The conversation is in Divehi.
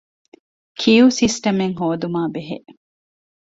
ކިޔޫ ސިސްޓަމެއް ހޯދުމާބެހޭ